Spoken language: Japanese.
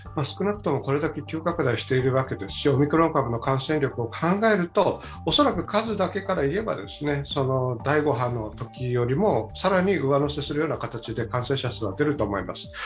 少なくともこれだけ急拡大しているわけですしオミクロン株の感染威力を考えると、数だけでいえば第５波のときよりも更に上乗せする形で感染者数は出ると思います。